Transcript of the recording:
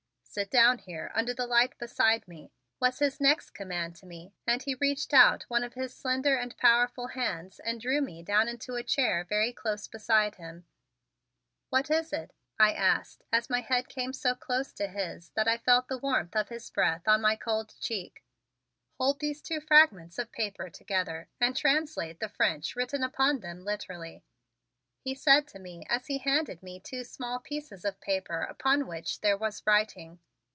"Sit down here under the light beside me," was his next command to me, and he reached out one of his slender and powerful hands and drew me down into a chair very close beside him. "What is it?" I asked as my head came so close to his that I felt the warmth of his breath on my cold cheek. "Hold these two fragments of paper together and translate the French written upon them literally," he said to me as he handed me two small pieces of paper upon which there was writing.